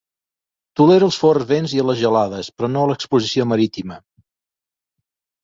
Tolera els forts vents i a les gelades, però no a l'exposició marítima.